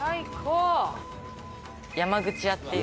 山口屋っていう。